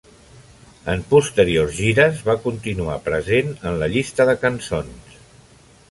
En posteriors gires va continuar present en la llista de cançons.